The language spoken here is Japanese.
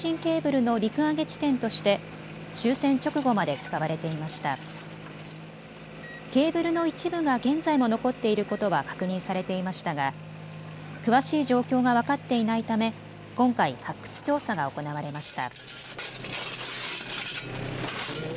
ケーブルの一部が現在も残っていることは確認されていましたが詳しい状況が分かっていないため今回、発掘調査が行われました。